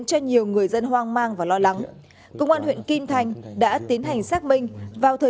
cho nhiều người dân hoang mang và lo lắng công an huyện kim thành đã tiến hành xác minh vào thời